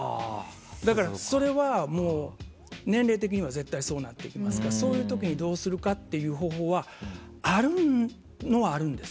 それは、年齢的には絶対にそうなってきますからそういう時にどうするかという方法はあるのはあるんです。